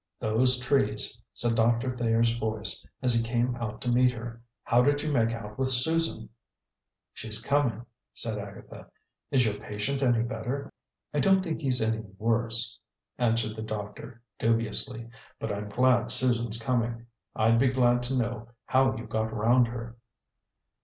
"Those trees!" said Doctor Thayer's voice, as he came out to meet her. "How did you make out with Susan?" "She's coming," said Agatha. "Is your patient any better?" "I don't think he's any worse," answered the doctor dubiously, "but I'm glad Susan's coming. I'd be glad to know how you got round her."